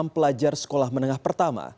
dua puluh enam pelajar sekolah menengah pertama